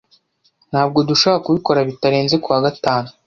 Ntabwo dushobora kubikora bitarenze kuwa gatanu.